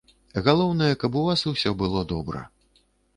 Галоўнае, каб у вас усё было добра.